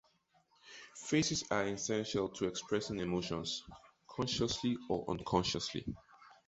Faces are essential to expressing emotion, consciously or unconsciously.